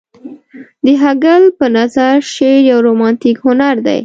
د هګل په نظر شعر يو رومانتيک هنر دى.